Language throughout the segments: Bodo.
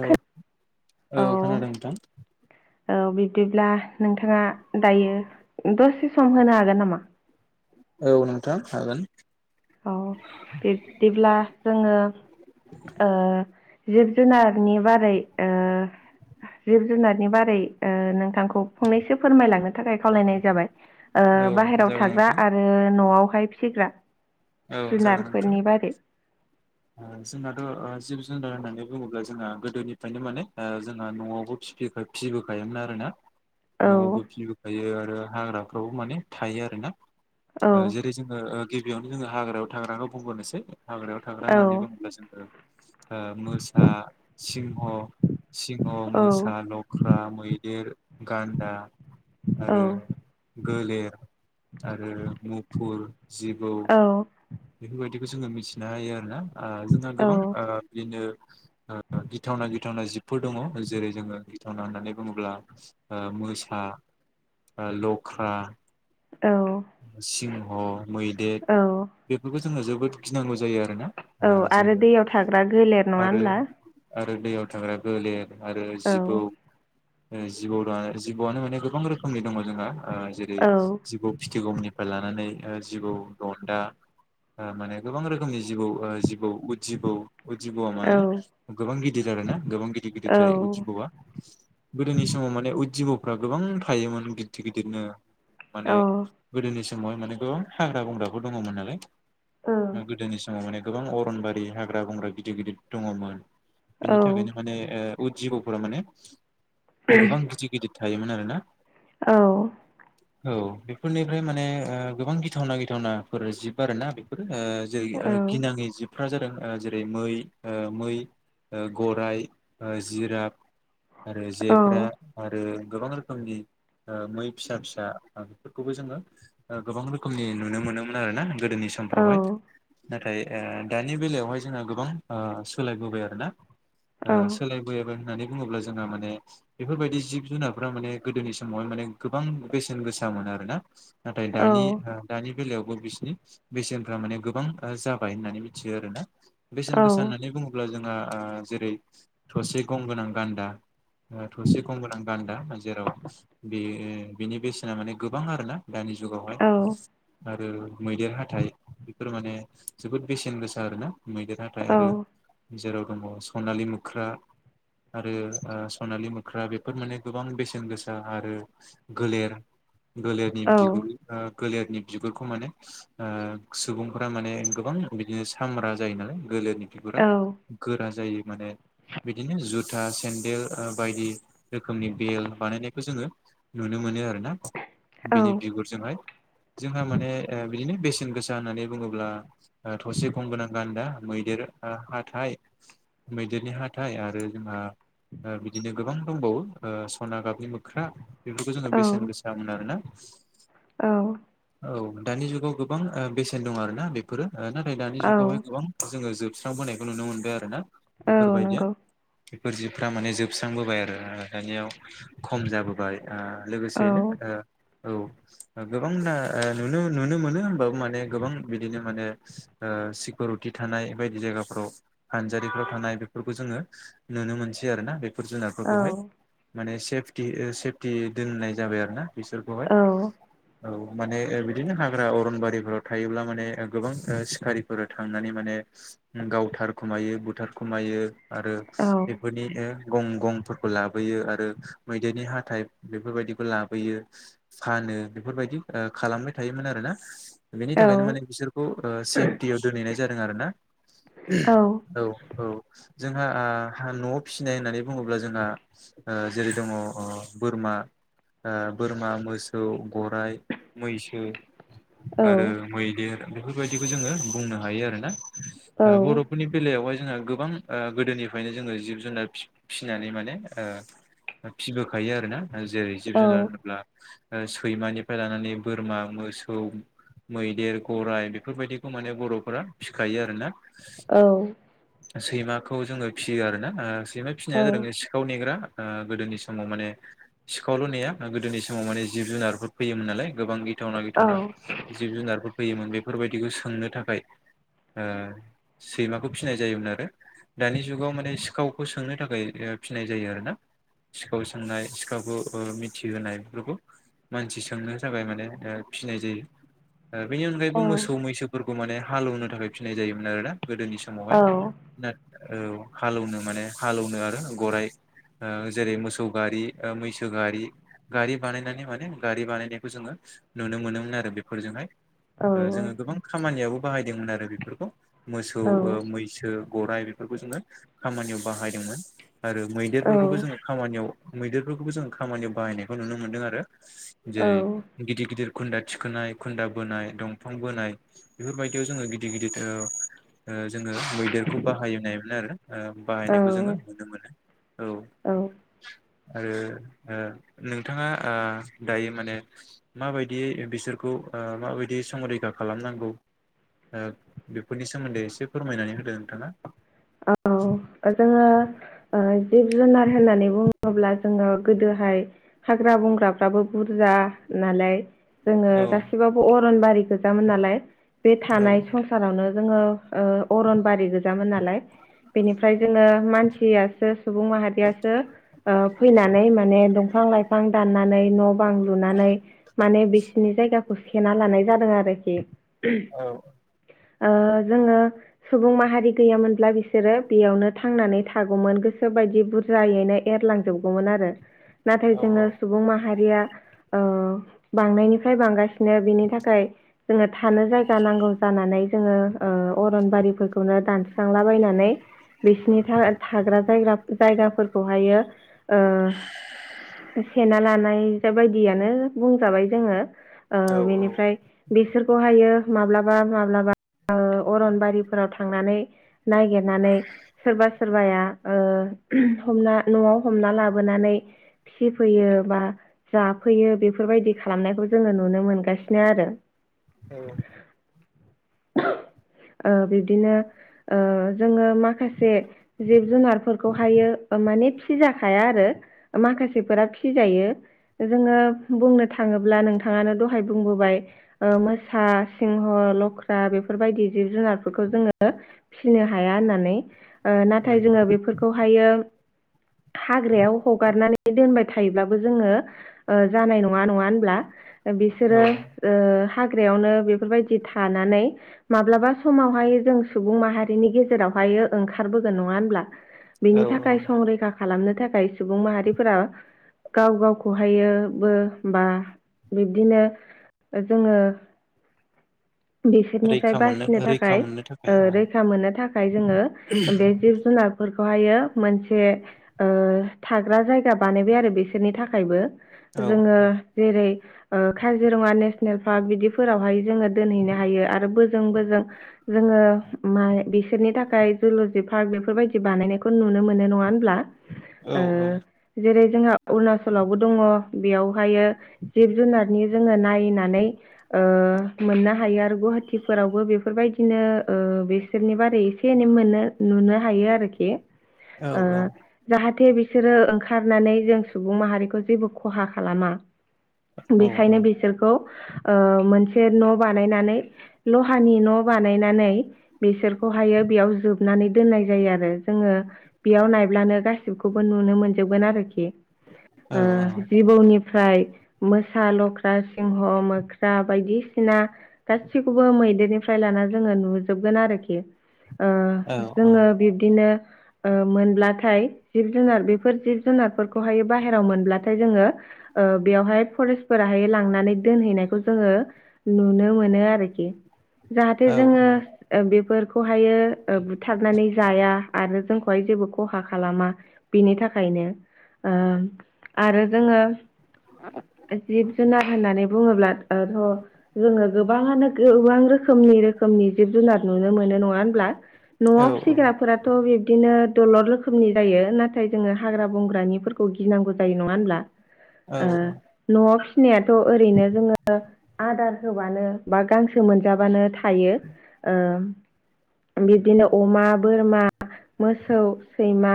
औ औ खोनादों नोंथां औ बिदिब्ला नोंथाङा दायो दसे सम होनो हागोन नामा? औ नोंथां हागोन औ बिबदिब्ला जोङो ओ जिब जुनारनि बारै ओ जिब जुनारनि बारै ओ नोंथांखौ फंनैसो फोरमायलांनो थाखाय खावलायनाय जाबाय। ओ औ बाहेरायाव जागोन थाग्रा नोंथां आरो न'आवहाय फिसिग्रा जुनारफोरनि बारै ओ जोंहाथ' ओ जिब जुनार होननानै बुङोब्ला जोंहा गोदोनिफ्रायनो माने ओ जोंहा न'आवनो फि [unintelligible] फिबोखायोमा आरो ना औ न'आवबो फिबोखायो आरो हाग्राफ्रावबो माने थायो आरो ना औ ओ जेरै जोङो ओ गिबियावनो जोङो हाग्रायाव थाग्राखौ बुंबोननोसै हाग्रायाव थाग्रा औ होननानै बुंब्ला जोङो ओ मोसा सिंह' सिंह, औ मोसा, लख्, रा मैदेर, गान्दा आरो औ गोलेर आरो मुफुर, जिबौ औ बेफोरबायदिखौ जोङो मिथिनो हायो आरोना ओ जोंहा गोबां ओ बिदिनो ओ गिथावना गिथावना जिबफोर दङ' जेरै जोङो गिथावना होननानै बुङोब्ला ओ मो मोसा ओ लख्रा औ सिंह, मैदेर औ बेखौ जोंङो जोबोद गिनांगौ जायो आरोना औ ओ आरो जोङो दैयाव थाग्रा गोलेर नङा आरो होनब्ला? आरो दैयाव थांग्रा गोलेर आरो औ जिबौ ओ जिबौदा जिबौआनो माने गोबां रोखोमनि दङ' जोंहा ओ जेरै औ जिबौ फिथिगुमनिफ्राय लाना नानै ओ जिबौ दनधा ओ माने गोबां रोखोम मानि जिबौ ओ जिबौ बौ उटजिबौ उटजिबौ आ औ माे गोबां गिदिर आरोना गोबां गिदिर गिदिर औ जायो उटजिबौआ गोदोनि समाव माने उदजिबौ खौ गोबां थायोमोन गिददिर गिदिरनो माने औ गोदोनि समाव माने गोबां हाग्रा बंग्राफोर दङ'मोन नालाय औ गोदोनि समाव माने गोबां अरनबारि हाग्रा बंग्रा गिदिर गिदिर दङ'मोन औ बेनि थाखायनो माने ओ उटजिबौ फोरा माने गोबां गिदिर गिदिर थायोमोन आरोना औ औ बेफोरनिफ्राय माने ओ गोबां गिथावना गिथावनाफोर जिब आरो ना बेफोरो ओ जेरै ओ औ औ गिनाङै जिबफ्रा जादों ओ जेरै मै ओ मै ओ गराइ ओ जिराब आरो औ जेब्रा आरो गोबां रोखोमनि ओ मै फिसा फिसा बेफोरखौबो जोङो ओ गोबां रोखोमनि नुनो मोनोमोन आरोना। गोदोनि समफ्रावहाय। नाथाय ओ दानि बेलायावहाय जोंहा गोबां ओ सोलायबोबाय आरो ना। ओ सोलायबोयबो होननानै बुङोब्ला जोंहा माने बेफोरबायदि जिब जुनारफोरा माने गोदोनि समावहाय माने गोबां बेसेन गोसा मोन आरो ना नाथाय दानि ओ दानि बेलायावबो बिसिनि बेसेनफ्रा माने गोबां जाबाय होननानै मिथियो आरोना बेसेन गोसा होननानै बुङोब्ला जों ओ ओ जेरै थसे गं गोनां गान्दा। थसे गं गोनां गान्दा जेराव बे बेनि बेसेना माने गोबां आरो ना। दानि जुगावहाय आरो मैदेर हाथाइ बेफोर माने जोबोद बेसेन गोसा आरोना। मैदेर हाथाय आरो जेराव दङ सनालि मोख्रा आरो ओ सनालि मोख्रा बेफोर माने गोबां बेसेन गोसा आरो गोलेर गोलेरनि बिगुर ओ गोलिरनि बिगुरखौ माने ओ सुबुंफोरा माने गोबां बिदिनो साम्रा जायो नालाय गोलेरनि बिगुरा गोरा जायो माने बिदिनो जुथा सेन्देल ओ बायदि रोखोमनि बेल बानायनायखौ जोङो नुनो मोनो आरो बिनि बिगुरजोंहाय जोंहा माने बिदिनो बेसेन गोसा होननानै बुङोब्ला थसे गं गोनां गान्दा मैदेर हाथथाय मैदेरनि हाथाइ आरो जोंहा ओ बिदिनो गोबां दंबावो ओ सना गाबनि मोख्रा बेफोरखौ जोङो औ बेसेन गोसा मोन आरो ना। औ औ दानि जुगाव गोबां ओ बेसेन दं आरो ना बेफोरो नाथाय दानि औ जुगावहाय गोबां जोङो जोब स्रांबोनायखौ नुनो मोनदों आरो ना। औ नंगौ। बेफोर जिबफ्रा माने जोबस्रांबोबाय आरो दानियाव खम जाबोबाय। ओ औ लोगोसेनो ओ औ गोबांना ओ नुनो मोनो होमबाबो माने गोबां बिदिनो माने सिकिउरिटि थानाय बायदि जायगाफ्राव फानजारिफ्राव थानाय बेफोरखौ जोङो नुनो मोनसै आरोना बे औ जुनारफोरखौहाय माने सेफटि सेफटि दोननाय जाबाय आरो ना। बिसोरखौहाय औ औ माने बिदि बिदिनो हाग्रा अरनबारिफोराव थायोब्ला माने गोबां सिखारिफोर थांनानै माने गाव थार खुमायो बुथार खमायो आरो बेफोरनि गं गंफोरखौ लाबोयो आरो मैदेरनि हाथाय बेफोरबायदिखौ लाबोयो फान होनो बेफोरबायददि खालामबाय थायोमोन आरोना। बेनि औ थाखायनो माने बिसोरखौ ओ सेफटियाव दोनहैनाय जादों आरोना। औ औ औ जोंहा ओ न'आव फिसिनाय होननानै बुङोब्ला जोंहा ओ जेरै दङ बोरमा ओ बोरमा मोसौ गराइ मैसो सो आरो मैदेर बेफोरबायदिखौ जोङो बुंनो हायो आरो बर'फोरनि बेलायावहाय जोंहा गो गोबां ओ गोदोनिफ्रायनो जोङो जिब जुनार फि फिसिनानै माने ओ फिसिबोखायो आरोना जेरै जिब जुनार होनोब्ला सैमानिफ्राय लानानै बो बोरमा मोसौ मैदेर गराइ बेफोरबायदिखौ माने बर'फोरा फिसिखायो आरोना। औ सैमाखौ जोङो फियो आरो ना सैमा फिसिनाया जादों सिखाव नेग्रा ओ गोदोनि समाव माने सिखावल' नेनाया गोदोनि समाव माने जिब जुनारफोर फैयोमोन नालाय गोबां गिथावना गिथावना जिब जुनारफोर फैयोमोन बेफोरबायदिखौ सोंनो थाखाय सैमाखौ फिनाय जायोमोन आरो दानि जुगाव माने सिखावखौ सोंनो थाखाय फिनाय जायो आरो ना सिखाव सोंनाय सिखावखौ मिथिहोनाय बेफोरखौ मानसि सोंनो थाखाय माने फिसिनाय जायो बेनि अनगायैबो औ मोसौ मैसो माने हालेवनो थाखाय फिनाय जायोमोन आरोना गोदोनि समावहाय औ ना औ हालेवनो माने हालेवनो आरो गराय जेरै मोसौ गारि मैसो गारि गारि बानायनानै माने गारि बानायनायखौ जोङो नुनो मोनोमोन आरो बेफोरजोंहाय औ जोङो गोबां खामानियाबो मोन आरो बेफोरखौ मोसौ मैसो गराइ बेफोरखौ जोङो खामानियाव बाहायदोंमोन आरो मैदेरफोरखौबो जोङो खामानियाव मैदेरफोरखौबो जों खामानियाव बाहायनायखौ नुनो मोन्दों आरो औ जेरै गिदिर गिदिर खुन्दा थिखोनाय खुन्दा बोनाय दंफां बोनाय बेफोरबायदियाव जोङो गिदिर गिदिर जोङो मैदेरखौ बाहायनायमोन आरो औ बाहायनायखौ जोङो नुनो मोनो। औ आरो नोंथाङा दायो माने माबायदियै बिसोरखौ माबायदि संरैखा खालामनांगौ। बेफोरनि सोमोन्दै एसे फोरमायनानै होदो नोंथाङा औ जोङो ओ जिब जुनार होननानै बुङोब्ला जोङो गोदो फाय हाग्रा बंग्राफ्राबो बुरजा नालाय जोङो औ गासिबाबो अरनबारि गोजामोन नालाय बे औ थानाय संसारावनो जोङो अरन बारि गोजामोन नालाय बेनिफ्राय जोङो मानसियासो सुबुं माहारियासो फैनानै माने दंफां लाइफां दाननानै न' बां लुनानै माने बिसिनि जायगाखौ सेना लानाय जादों आरोखि औ ओ जोङो सुबुं माहारि गैयामोनब्ला बिसोर सोरो बेयावनो थांनानै थागौमोन गोसो बायदि बुरजायैनो एरलांजोबगौमोन आरो। नाथाय जोङो सुबुं माहारिया ओ बांनायनिफ्राय बांगासिनो बिनि थाखाय जोङो थानो जायगा नांगौ जानानै जोङो अरनबारिफोरखौनो दानसां नै बिसिनि था थाग्रा जायग्रा जायगाफोरखौहायो ओ सेना लानाय बायदियानो बुंजाबाय जोङो ओ औ बेनिफ्राय बिसोरखौहायो माब्लाबा माब्लाबा अरनबारिफोराव थांनानै नायगिर नानै सोरबा सोरबाया हमना न'आव हमना लाबोनानै फिफैयो बा जाफैयो बेफोरबायदि खालामनायखौ जोङो नुनो मोनगासिनो आरो। औ ओ बिब्दिनो ओ जोङो माखासे जिब जुनारफोरखौहायो माने फिजाखाया आरो मा माखासेफोरा फि जायो। जोङो बुंनो थाङोब्ला नोंथाङानो दहाय बुंबोबाय मोसा सिंह लख्रा बेफोरबायदि जिब जुनारफोरखौ जोङो फिसिनो हाया होननानै नाथाय उम जोङो बेफोरखौहायो [inaudible] हाग्रायाव हगारनानै दोनबाय थायोब्लाबो जोङो जानाय नङा नङा होनब्ला? औ बिसोरो ओ हाग्रायावनो बेफोरबायदि थानानै माब्लाबा समावहाय जों सुबुं माहा नि गेजेरावहायो ओंखारबोगोन नङा होनब्ला औ बिनि औ थाखाय संरैखा खालामनो थाखाय सुबुं माहारिफोरा गाव गावखौहायोबो बा बिब्दिनो जोङो [inaudible] बिसोरनिफ्राय रैखा मोननो बासिनो रैखा थाखाय मोननो थाखाय ओ औ रै मोननो थाखाय जोङो बे जिब जुनार फोरखौ हाय मोनसे थाग्रा जायगा बानायबाय आरो बिसोरनि थाखायबो औ जोङो जेरै काजिरङा नेसनेल पार्क बिदिफोरावहाय जोङो दोनहैनो हायो आरो बोजों बोजों जोङो मा बिसोरनि थाखाय जिल'जि पार्क बेफोरबायदि बानायनायखौ जों नुनो मोनो नङा होमबा? औ ओ जेरै जोंहा अरुणाचलावबो दङ बेयावहायो जिब जुनारनि जोङो नायनानै। ओ मोननो हायो आरो गुवाहाटिफोरावबो बेफोरबायदिनो ओ बिसोरनि बारै एसे एनै मोननो हायो आरोखि। औ ओ जाहाथे बि बिसोरो ओंखारनानै जों सुबुं माहारिखौ जेबो खहा खालामा। औ बेखायनो बिसोरखौ ओ मोनसे न' बानायनानै लहानि न' बानायनानै। बेसोरखौहायो बेयाव जोबनानै दोननाय जायो आरो जोङो बेयाव नायब्लानो गासिखौबो नु नुनो मोनजोबगोन आरोखि औ ओ जिबौनि फ्राय मोसा लख्रा सिंह मोख्रा बायदिसिना गासिखौबो मैदेरनिफ्राय लाना जोङो नुजोबगोन आरोखि ओ औ जोङो बिब्दिनो ओ मोनब्लाथाय जिब जुनार बेफोर जिब जुनारफोरखौहायो बाहेरायाव मोनब्लाथाय जोङो ओ बेवहाय फरेस्टफोराहाय लांनानै दोनहैनायखौ जोङो नुनो मोनो आरोखि। जाहाथे जोङो ओ बेफोरखौहायो ओ बुथारनानै जाया आरो जोंखौहाय जेबो खहा खालामा बिनि नि थाखायनो ओ आरो जोङो जिब जुनार होननानै बुङोब्लाथ' जोङो गोबाङानो गोबां रोख रोखोमनि रोखोमनि जिब जुनार नुनो मोनो नङा होनब्ला औ न'आव फिसिग्राफोराथ' बिदिनो दलद रोखोमनि जायो नाथाय जोङो हाग्रा बंग्रानिफोरखौ गिनांगौ जायो नङा होनब्ला? औ ओ औ न'आव फिसिनायाथ' ओरैनो जोङो आदार होबानो बा गांसो मोनजाबानो थायो। ओ बिदिनो अमा बोरमा मोसौ सैमा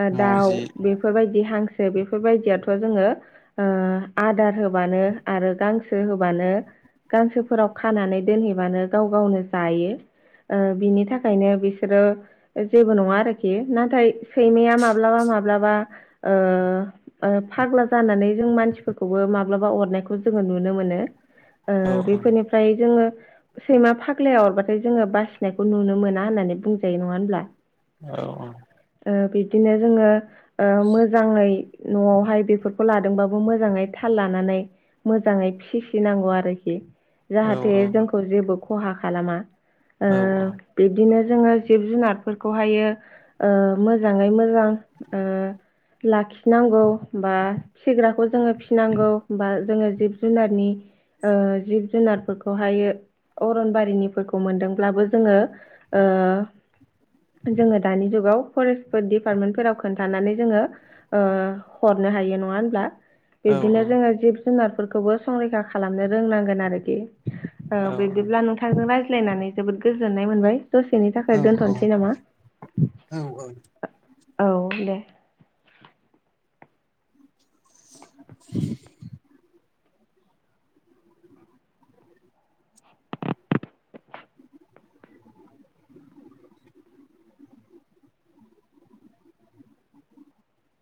ओ दाउ मावजि बेफोरबायदि हांस बेफोरबायदियाथ' जोङो ओ आदार होबानो आरो गांसो होबानो गांसोफोराव खानानै दोनहैबानो गाव गावनो जायो ओ बिनि थाखायनो बिसोरो जेबो नङा आरोखि नाथाय सैमाया माब्लाबा माब्लाबा ओ ओ फाग्ला जानानै जों मानसिफोरखौबो माब्लाबा अरनायखौ जोङो नुनो मोनो। ओ औ बेफोरनिफ्राय जोङो सैमा फाग फाग्लाया अरबाथाय जोङो बासिनायखौ नुनो मोना होननानै बुंजायो नङा होनब्ला? औ औ। बिदिनो जोंङो ओ मोजांयै न'आवहाय बेफोरखौ लादोंबो मोजांयै थाल लानानै मोजाङै फिसिनांगौ आरोखि। औ जाहाथे जोंखौ जेबो खहा खालामा ओ औ बिदिनो जोङो जिब जुनारफोरखौहायो ओ मोजाङै मोजां ओ लाखिनांगौ बा फिसिग्राखौ जोङो फिनांगौ बा जोङो जिब जुनारनि ओ जिब जुनारफोरखौहायो अरन बारि [unintelligible] मोनदोंब्लाबो जोङो ओ जोङो दानि जुगाव फरेस्टफोर दिपार्टमेन्टफोराव खोन्थानानै जोङो ओ हर नो हायो नङा होमब्ला? औ बिब्दिनो जोङो जिब जुनारफोरखौबो संरैखा खालामनो रोंनांगोन आरोखि। औ बिब्दिब्ला नोंथांजों रायज्लायनानै जोबोद गोजोननाय मोनबाय। दसेनि औ थाखाय दोनथ'नोसै नामा? औ औ औ दे। [unintelligible] [unintelligible] [unintelligible]